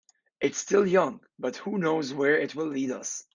It's still young, but who knows where it will lead us.